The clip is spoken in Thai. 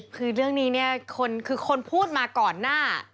คือเรื่องนี้เนี่ยคือคนพูดมาก่อนหน้า